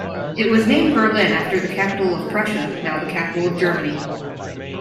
It was named Berlin after the capital of Prussia, now the capital of Germany.